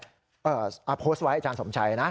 เอาโพสต์ไว้อาจารย์สมชัยนะ